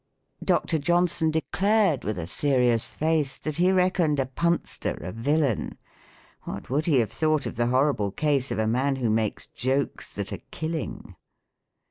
"Dr. Johnson declared, with a serious face, That he reckoned a punster a villain : W xiat would he have thought of the horrible case Of a man who makes jokes that are killing